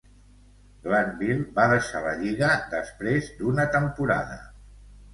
Glanville va deixar la lliga després d'una temporada.